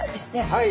はい。